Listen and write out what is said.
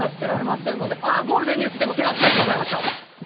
あっゴールデンに移っても手が滑ってしまいました。